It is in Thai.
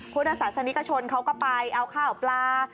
พุทธศาสนิกชนเขาก็ไปเอาข้าวปลา